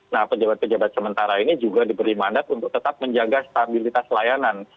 nah pejabat pejabat sementara ini juga diberi mandat untuk tetap menjaga stabilitas layanan